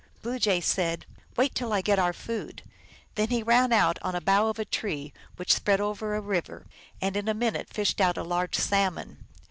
Blue Jay said, " Wait till I get our food." Then he ran out on a bough of a tree which spread over a river, and in a minute fished out a large salmon.